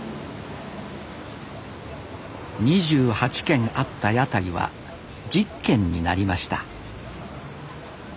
２８軒あった屋台は１０軒になりました